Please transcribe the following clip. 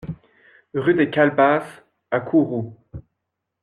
Rue des Calebasses à Kourou